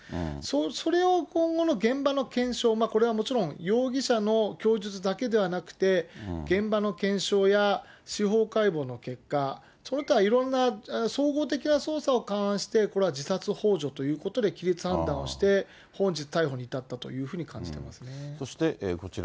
それを今後の現場の検証やこれはもちろん、容疑者の供述だけではなくて、現場の検証や司法解剖の結果、その他いろんな、総合的な捜査を勘案して、これは自殺ほう助ということで判断をして、本日逮捕に至ったとそしてこちら。